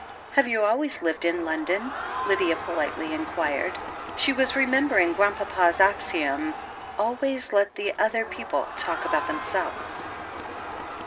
"Have you always lived in London ?" Lydia politely inquired. She was remembering Grandpapa's axiom: Always let the other people talk about themselves.